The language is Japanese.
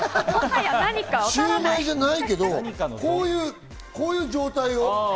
シウマイじゃないけどこういう状態よ。